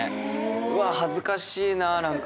うわ、恥ずかしいなあ、何か。